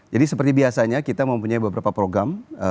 jadi seperti biasanya kita mempunyai beberapa program